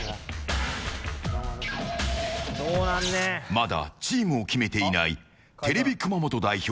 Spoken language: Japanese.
まだチームを決めていないテレビ熊本代表